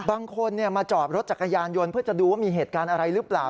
บางคนมาจอดรถจักรยานยนต์เพื่อจะดูว่ามีเหตุการณ์อะไรหรือเปล่า